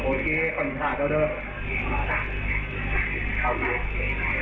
โอเคค่อนข้างเจ้าเดิม